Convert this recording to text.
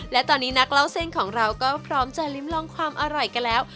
และตอนนี้นักเล่าเส้นของเราก็พร้อมจะลิ้มลองความอร่อยกันแล้ว